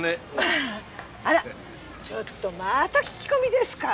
あらちょっとまた聞き込みですか？